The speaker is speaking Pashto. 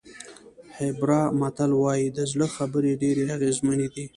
هېبرا متل وایي د زړه خبرې ډېرې اغېزمنې دي.